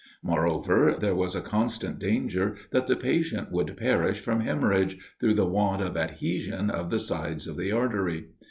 Moreover, there was a constant danger that the patient would perish from hemorrhage, through the want of adhesion of the sides of the artery.